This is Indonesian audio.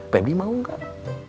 pebli mau nggak